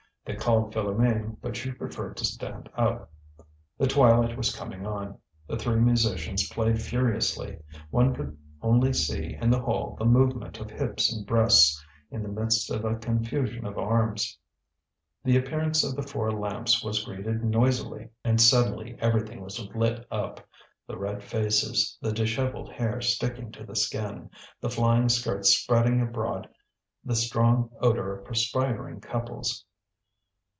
They called Philoméne, but she preferred to stand up. The twilight was coming on; the three musicians played furiously; one could only see in the hall the movement of hips and breasts in the midst of a confusion of arms. The appearance of the four lamps was greeted noisily, and suddenly everything was lit up the red faces, the dishevelled hair sticking to the skin, the flying skirts spreading abroad the strong odour of perspiring couples.